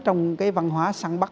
trong cái văn hóa săn bắt